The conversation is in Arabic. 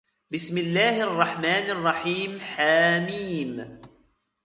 بسم الله الرحمن الرحيم حم